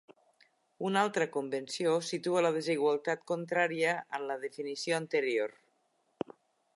Una altra convenció situa la desigualtat contrària en la definició anterior.